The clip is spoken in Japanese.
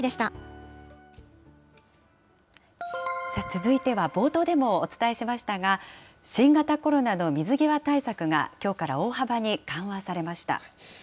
続いては冒頭でもお伝えしましたが、新型コロナの水際対策が、きょうから大幅に緩和されました。